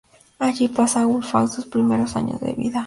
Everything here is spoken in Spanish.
Allí pasa Wulfgar sus primeros años de vida.